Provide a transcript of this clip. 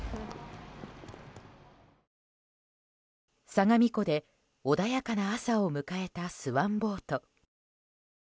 相模湖で穏やかな朝を迎えたスワンボート。